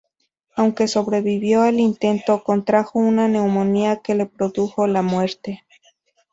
Aunque sobrevivió al intento, contrajo una neumonía que le produjo la muerte.